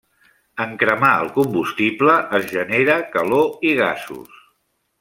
En cremar el combustible es genera calor i gasos.